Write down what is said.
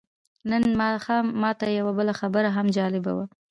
نن ماښام ماته یوه بله خبره هم جالبه وه.